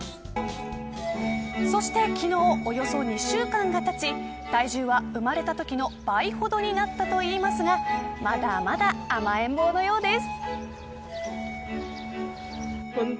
そして、昨日およそ２週間がたち体重は生まれたときの倍ほどになったといいますがまだまだ、甘えん坊のようです。